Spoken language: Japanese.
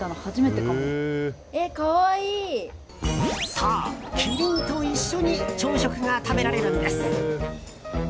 そう、キリンと一緒に朝食が食べられるんです。